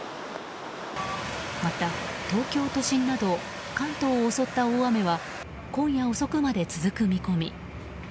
また、東京都心など関東を襲った大雨は今夜遅くまで続く見込み。